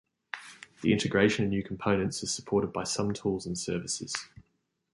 The integration of new components is supported by some tools and services.